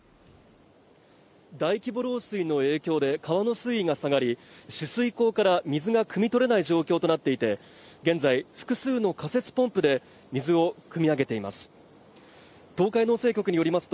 大規模漏水の影響で川の水位が下がり取水口から水が汲みとれない状況となっていて現在複数の仮設ポンプで水をくみ上げています